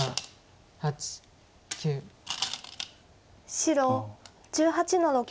白１８の六ツギ。